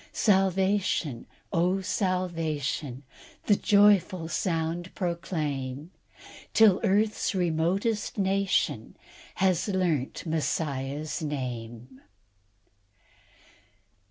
Salvation, oh, salvation, The joyful sound proclaim, Till earth's remotest nation Has learnt Messiah's name."